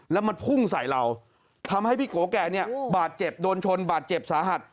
แล้วมันพุ่งใส่เราทำให้พี่โกแก่เนี่ยบาดเจ็บโดนชนบาดเจ็บสาหัส